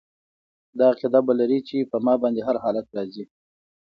دا عقیده به لري چې په ما باندي هر حالت را ځي